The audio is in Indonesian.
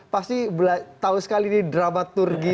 pasti tahu sekali ini dramaturgi